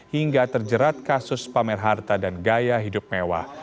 hingga terjerat kasus pamer harta dan gaya hidup mewah